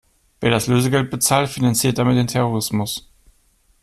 Wer das Lösegeld bezahlt, finanziert damit den Terrorismus.